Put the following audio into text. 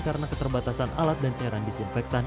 karena keterbatasan alat dan cairan disinfektan